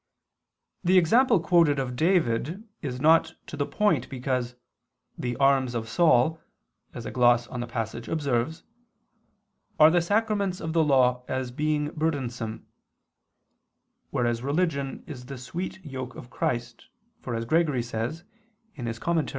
The example quoted of David is not to the point, because "the arms of Saul," as a gloss on the passage observes, "are the sacraments of the Law, as being burdensome": whereas religion is the sweet yoke of Christ, for as Gregory says (Moral.